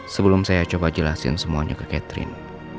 sebelum saya coba jelasin semuanya ke catherine